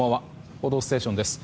「報道ステーション」です。